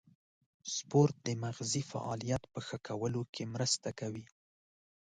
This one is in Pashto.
سپورت د مغزي فعالیت په ښه کولو کې مرسته کوي.